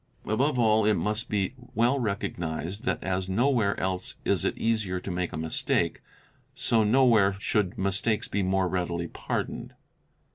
Above all it must be well recognised, that as nowhere else is it easier to make a mistake, _ so nowhere should mistakes be more readily pardoned.